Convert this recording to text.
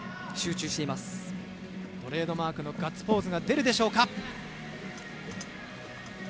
トレードマークのガッツポーズが出るでしょうか。